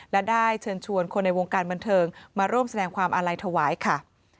และได้เชิญชวนคนในวงการบันเทิงมาร่วมแสดงความอาลัยถวายค่ะ